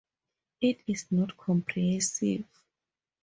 It is not comprehensive.